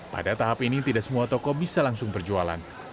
pada tahap ini tidak semua toko bisa langsung berjualan